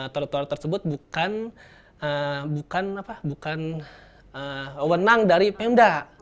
trotoar tersebut bukan wenang dari pemda